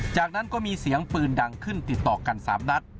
จากนั้นก็มีเสียงปืนดังขึ้นติดต่อกัน๓นัด